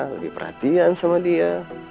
lebih perhatian sama dia